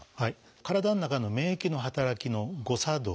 体の中の免疫の働きの誤作動。